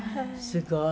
すごい！